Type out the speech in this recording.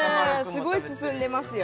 すごい進んでますよ